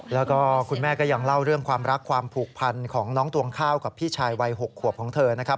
แล้วก็คุณแม่ก็ยังเล่าเรื่องความรักความผูกพันของน้องตวงข้าวกับพี่ชายวัย๖ขวบของเธอนะครับ